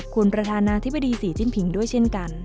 กล่าวขอบคุณประธานาธิบดีสีจิ้นผิงด้วยเช่นกัน